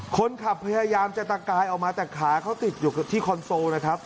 คนขับพยายามจะตะกายออกมาแต่ขาเขาติดอยู่ที่คอนโซลนะครับ